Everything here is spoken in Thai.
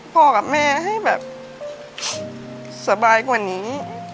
กับแม่ให้แบบสบายกว่านี้